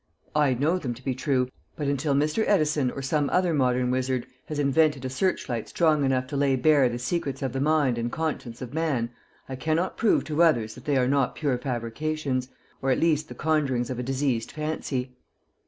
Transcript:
I know them to be true, but until Mr. Edison or some other modern wizard has invented a search light strong enough to lay bare the secrets of the mind and conscience of man, I cannot prove to others that they are not pure fabrications, or at least the conjurings of a diseased fancy.